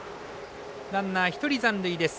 ランナー、１人残塁です。